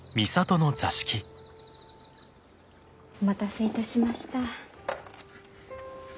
お待たせいたしました。